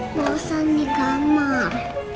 gak usah di kamar